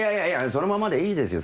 そのままでいいですよ